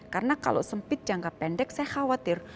karena kalau sempit jangka pendek saya khawatir